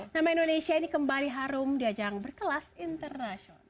nama indonesia ini kembali harum di ajang berkelas internasional